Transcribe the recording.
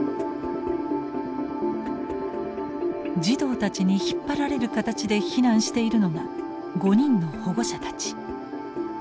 児童たちに引っ張られる形で避難しているのが５人の保護者たち。